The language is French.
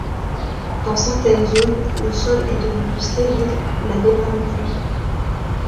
Dans certaines zones le sol est devenu stérile, lavé par les pluies.